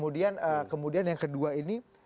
dan kemudian yang kedua ini